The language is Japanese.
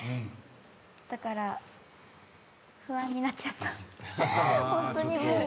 だから不安になっちゃった。